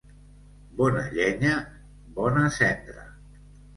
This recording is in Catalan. Bona llenya, bona cendra.